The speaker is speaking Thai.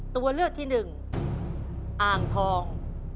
ตัวเลือกที่หนึ่งอ่างทอง